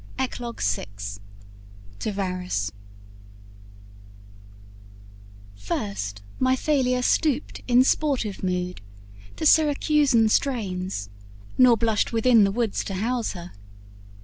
ECLOGUE VI TO VARUS First my Thalia stooped in sportive mood To Syracusan strains, nor blushed within The woods to house her.